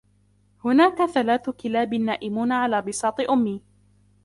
هناك ثلاث كلاب نائمون على بساط أمي.